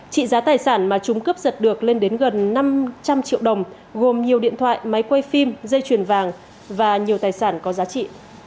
trị giá tài sản mà chúng cướp giật được lên đến gần năm trăm linh triệu đồng gồm nhiều điện thoại máy quay phim dây chuyền vàng và nhiều tài sản có giá trị